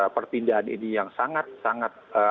pertindahan ini yang sangat